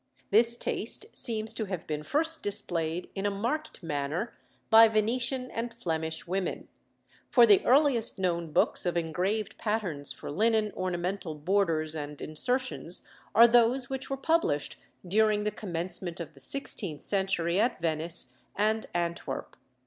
This taste seems to have been first displayed in a marked manner by Venetian and Flemish women; for the earliest known books of engraved patterns for linen ornamental borders and insertions are those which were published during the commencement of the sixteenth century at Venice and Antwerp.